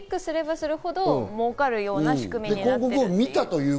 クリックすればするほど儲かるような仕組みになっている。